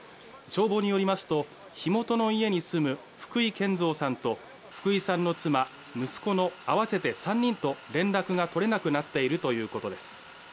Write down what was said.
消防によりますと、火元の家に住む福井憲三さんと福井さんと妻、息子の合わせて３人と連絡が取れなくなっているということです。